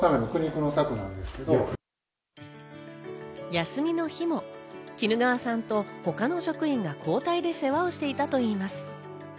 休みの日も衣川さんと他の職員が交代で世話をしていたといいます。